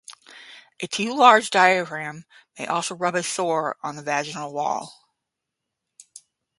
A too-large diaphragm may also rub a sore on the vaginal wall.